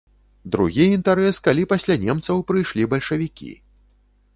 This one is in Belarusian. Другі інтарэс, калі пасля немцаў прыйшлі бальшавікі.